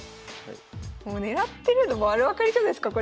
もう狙ってるの丸わかりじゃないすか。